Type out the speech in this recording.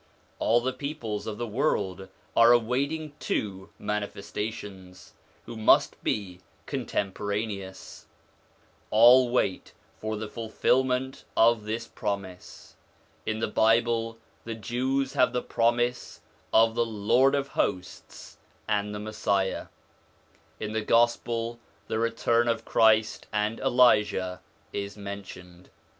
All the peoples of the world are awaiting two Mani festations, who must be contemporaneous ; all wait for the fulfilment of this promise. In the Bible the Jews have the promise of the Lord of Hosts and the Messiah ; in the Gospel the return of Christ and Elijah is promised.